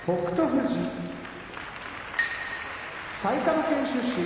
富士埼玉県出身